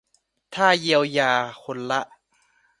ถ้าเยียวยาคนละ